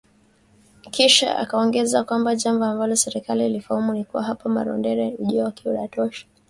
Kisha akaongeza kwamba jambo ambalo serikali hailifahamu ni kuwa hapa Marondera, ujio wake unatosha”